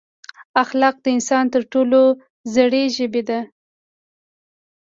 اخلاق د انسان تر ټولو زړې ژبې ده.